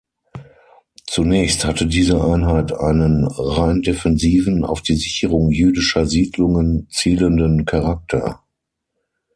Zunächst hatte diese Einheit einen rein defensiven, auf die Sicherung jüdischer Siedlungen zielenden Charakter.